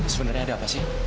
sebenarnya ada apa sih